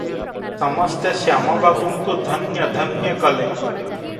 ସମସ୍ତେ ଶ୍ୟାମ ବାବୁଙ୍କୁ ଧନ୍ୟ ଧନ୍ୟ କଲେ ।